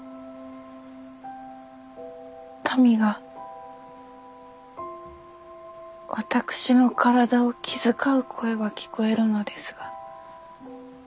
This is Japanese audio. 民が私の体を気遣う声は聞こえるのですが。